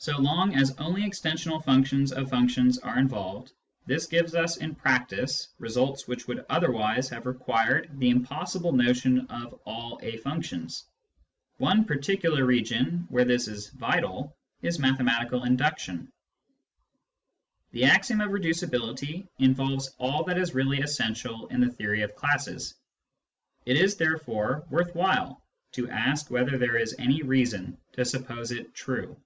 So long as only extensional functions of functions are involved, this gives us in practice results which would otherwise have required the impossible notion of " all a functions." One particular region where this is vital is mathematical induction. The axiom of reducibility involves all that is really essential in the theory of classes. It is therefore worth while to ask whether there is any reason to suppose it true.